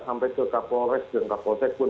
sampai ke kapolres dan kapoltec pun